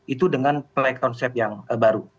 itu dengan play konsep yang baru